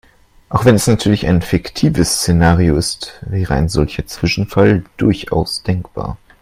Auch wenn es natürlich ein fiktives Szenario ist, wäre ein solcher Zwischenfall durchaus denkbar.